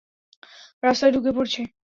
রাস্তায় ঢুকে পড়ছে।